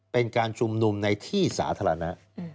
เป็นการชุมนุมในที่สาธารณะ